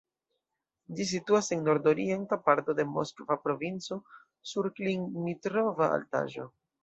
Ĝi situas en nord-orienta parto de Moskva provinco sur Klin-Dmitrova altaĵo.